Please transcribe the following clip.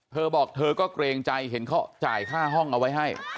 เธอบอกเธอก็เกรงใจเห็นเขาจ่ายค่าห้องเอาไว้ให้